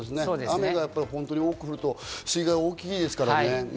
雨が多く降ると水害が大きいですからね。